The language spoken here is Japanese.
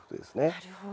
なるほど。